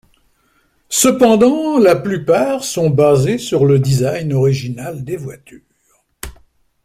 Cependant, la plupart sont basés sur le design original des voitures.